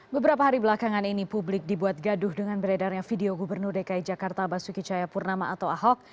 beberapa hari belakangan ini publik dibuat gaduh dengan beredarnya video gubernur dki jakarta basuki cahayapurnama atau ahok